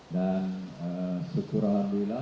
dan syukur alhamdulillah